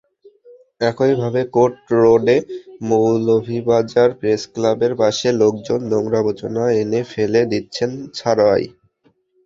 একইভাবে কোর্ট রোডে মৌলভীবাজার প্রেসক্লাবের পাশে লোকজন নোংরা-আবর্জনা এনে ফেলে দিচ্ছেন ছড়ায়।